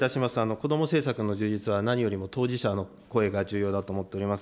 こども政策の充実は何よりも当事者の声が重要だと思っております。